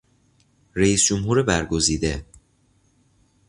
رئیس جمهور برگزیده